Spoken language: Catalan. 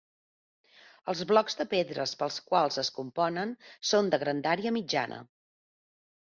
Els blocs de pedres pels quals es componen són de grandària mitjana.